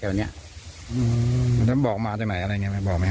แต่วันเนี้ยอืมแล้วบอกมาจากไหนอะไรอย่างเงี้ยบอกไหมครับ